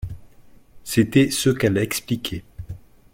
C’était ce qu’elle expliquait.